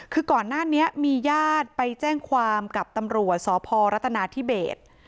คือก่อนหน้านี้มีญาติไปแจ้งความกับตำรวจสพรัฐนาธิเบศ